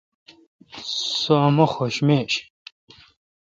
سو امہ حوشہ میش۔